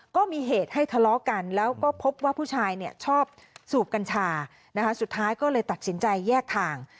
ก็มีเหตุให้ทะเลาะกันแล้วก็พบว่าผู้ชายเนี่ยชอบสูบกัญชานะคะสุดท้ายก็เลยตัดสินใจแยกทาง